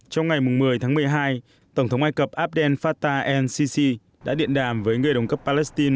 trong ngày một mươi tháng một mươi hai tổng thống ai cập abdel fattah el sisi đã điện đàm với người đồng cấp palestine